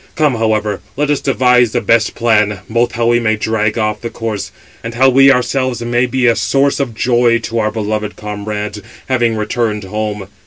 Come, however, let us devise the best plan, both how we may drag off the corse, and how we ourselves may be a source of joy to our beloved comrades, having returned home.